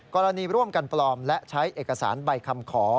ร่วมกันปลอมและใช้เอกสารใบคำขอ